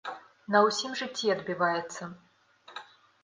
На ўсім жыцці адбіваецца.